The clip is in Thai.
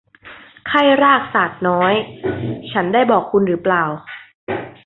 ไข้รากสาดน้อย ฉันได้บอกคุณหรือเปล่า